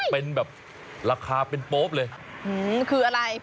เป็นแบบราคาเป็นโป๊ปเลยคืออะไร